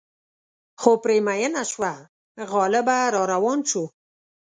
خو پرې مینه شوه غالبه را روان شو.